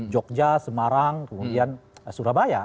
jogja semarang kemudian surabaya